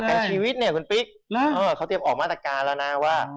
แต่ชีวิตเนี่ยคุณปิ๊กเขาเตรียมออกมาตรการแล้วนะว่า